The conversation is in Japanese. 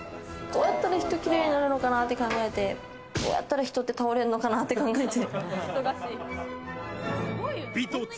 どうやったら人、綺麗になるのかなって考えて、どうやったら人って倒れるのかなって考えて。